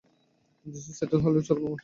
বিদেশে স্যাটেল হলেও চলবে আমার।